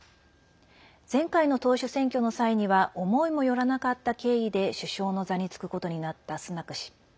前回の党首選挙の際には思いもよらなかった経緯で首相の座に就くことになったスナク氏。